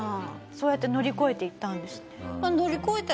そうやって乗り越えていったんですね。